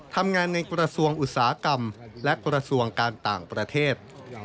ทำงานในกระทรวงอุตสาหกรรมและกระทรวงการต่างประเทศ